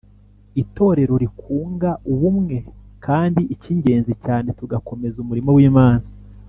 itorero rikunga ubumwe kandi ik’ingenzi cyane tugakomeza umurimo w’Imana